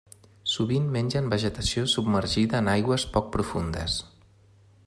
Sovint mengen vegetació submergida en aigües poc profundes.